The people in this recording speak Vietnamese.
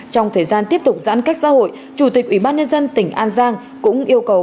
trong thời gian tiếp tục giãn cách xã hội chủ tịch ubnd tỉnh an giang cũng yêu cầu